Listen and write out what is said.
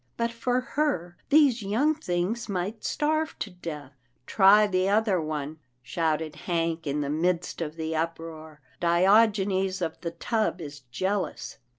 But for her, these young things might starve to death. " Try the other one," shouted Hank, in the midst of the uproar. " Diogenes of the tub is jealous."